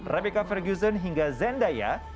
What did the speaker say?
rebecca ferguson hingga zendaya